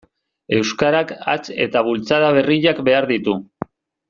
Euskarak hats eta bultzada berriak behar ditu.